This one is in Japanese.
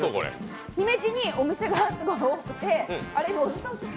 姫路にお店がすごい多くてあれっ、今、おじさん映った？